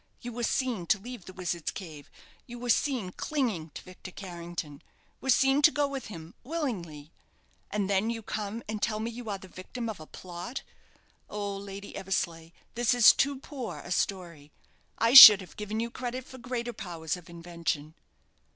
You were seen to leave the Wizard's Cave! You were seen clinging to Victor Carrington were seen to go with him, willingly. And then you come and tell me you are the victim of a plot! Oh, Lady Eversleigh, this is too poor a story. I should have given you credit for greater powers of invention."